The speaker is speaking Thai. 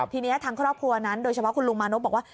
ทีนี้ทางครอบครัวนั้นโดยเฉพาะคุณลุงมานพบอกว่า